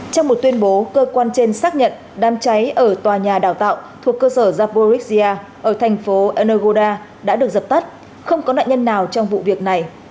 trong một tuyên bố cơ quan trên xác nhận đám cháy ở tòa nhà đào tạo thuộc cơ sở zaporisia ở thành phố eoda đã được dập tắt không có nạn nhân nào trong vụ việc này